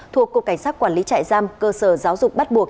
thuộc cục cảnh sát quản lý trại giam cơ sở giáo dục bắt buộc